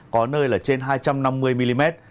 có nơi là trên hai trăm năm mươi mm